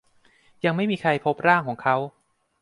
ยังไม่มีใครพบร่างของเขา